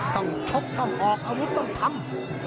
ต้องชกต้องออกอาวุธต้องทำ